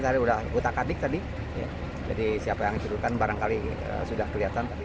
pemain tadi sudah utak atik tadi jadi siapa yang menjurutkan barangkali sudah kelihatan